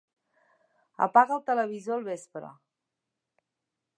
Apaga el televisor al vespre.